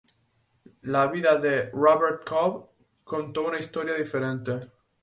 La viuda de Robert Cobb contó una historia diferente.